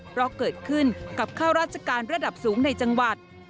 เพราะเกิดขึ้นกับข้าราชการระดับสูงในจังหวัด